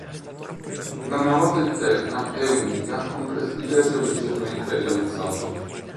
La navata interna è unica con presbiterio leggermente rialzato.